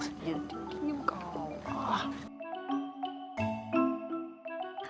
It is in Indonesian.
jadi gini buka rumah